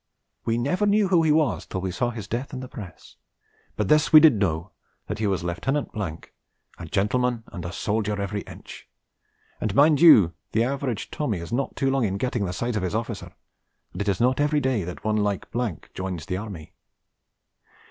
We never knew who he was till we saw his death in the Press, but this we did know, that he was Lieut. , a gentleman and a soldier every inch, and mind you the average Tommy is not too long in getting the size of his officer, and it is not every day that one like joins the Army....